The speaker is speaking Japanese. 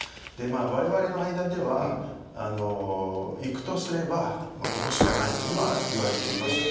われわれの間では行くとすればここしかないというのは言われていました。